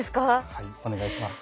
はいお願いします。